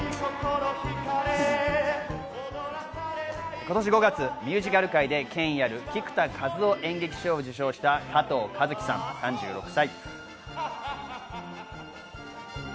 今年５月、ミュージカル界で権威ある菊田一夫演劇賞を受賞した、加藤和樹さん、３６歳。